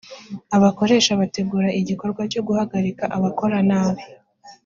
abakoresha bategura igikorwa cyo guhagarika abakora nabi